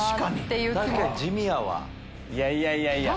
いやいやいやいや。